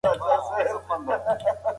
که موږ ولیکو نو تاریخ پاتې کېږي.